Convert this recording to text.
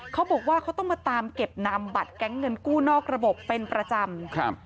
เขาบอกว่าเขาต้องมาตามเก็บนำบัตรแก๊งเงินกู้นอกระบบเป็นประจำครับ